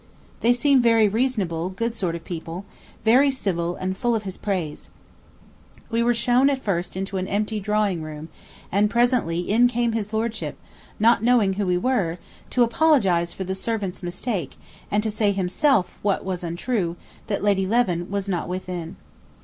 They seem very reasonable, good sort of people, very civil, and full of his praise. We were shewn at first into an empty drawing room, and presently in came his lordship, not knowing who we were, to apologise for the servant's mistake, and to say himself what was untrue, that Lady Leven was not within.